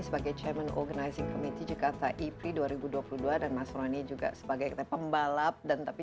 sebagai chairman organizing committee jakarta ipri dua ribu dua puluh dua dan mas rony juga sebagai pembalap dan tapi